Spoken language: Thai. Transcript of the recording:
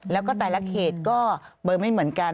แล้วก็แต่ละเขตก็เบอร์ไม่เหมือนกัน